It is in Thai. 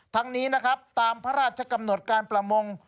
ทั้งนี้นะครับตามพระราชกำหนดการประมง